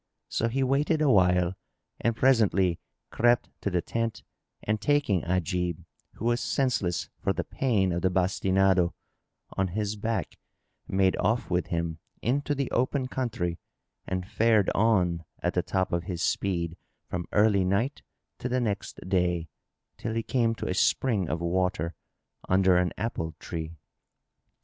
So he waited awhile and presently crept to the tent and taking Ajib, who was senseless for the pain of the bastinado, on his back, made off with him into the open country and fared on at the top of his speed from early night to the next day, till he came to a spring of water, under an apple tree.